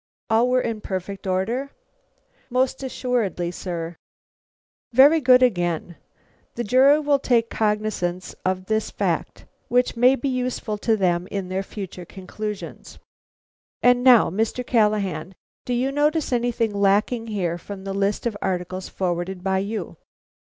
"All were in perfect order?" "Most assuredly, sir." "Very good, again. The jury will take cognizance of this fact, which may be useful to them in their future conclusions. And now, Mr. Callahan, do you notice anything lacking here from the list of articles forwarded by you?"